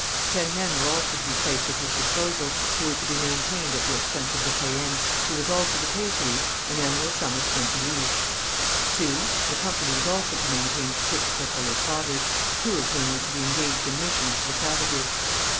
Ten men were also to be placed at his disposal, who were to be maintained at the expense of de Caën, who was also to pay to each an annual sum of twenty livres. 2. The company was also to maintain six Récollet fathers, two of whom were to be engaged in missions to the savages.